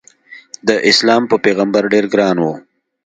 داسلام په پیغمبر ډېر ګران و.